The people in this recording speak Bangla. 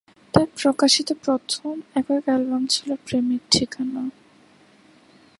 তার প্রকাশিত প্রথম একক অ্যালবাম ছিল "প্রেমের ঠিকানা"।